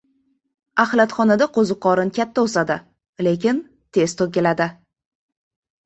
• Axlatxonada qo‘ziqorin katta o‘sadi, lekin tez to‘kiladi.